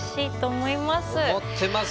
思ってます